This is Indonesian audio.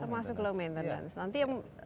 termasuk low maintenance nanti